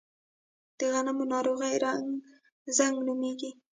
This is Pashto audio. د غنمو ناروغي زنګ نومیږي.